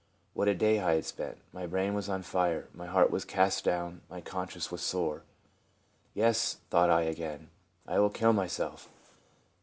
What a day I had spent. My brain was on fire. My heart was cast down. My conscience was sore. Yes, I thought again, " I will kill myself."